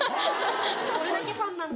それだけファンなんだ。